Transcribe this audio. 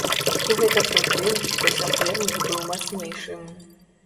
І гэта пры тым, што сапернік быў мацнейшым.